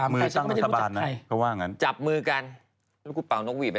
ไม่น่าต้องรู้รู้ทุกอย่างหรอกลงไปหนี